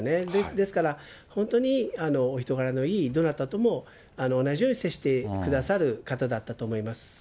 ですから、本当にお人柄のいい、どなたとも同じように接してくださる方だったと思います。